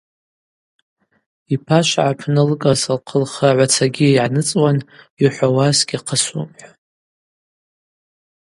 Йпашвхӏа апны лыкӏас лхъылхрагӏвацагьи йгӏаныцӏуан – йухӏвауа сгьахъысуам–хӏва.